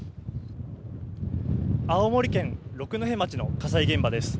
青森県六戸町の火災現場です。